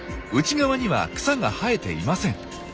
内側には草が生えていません。